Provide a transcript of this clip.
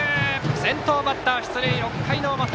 先頭バッター出塁、６回の表。